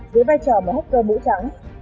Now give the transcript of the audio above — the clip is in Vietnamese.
dưới vai trò một hacker mũ trắng